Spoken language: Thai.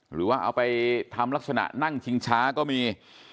หรือว่าเอาไปทำลักษณะนั่งชิงช้าก็มี